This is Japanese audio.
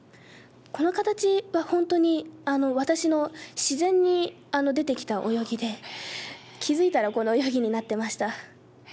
この形は、本当に私の自然に出てきた泳ぎで、気付いたら、この泳ぎになっていました。